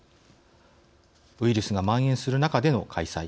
ウイルスがまん延する中での開催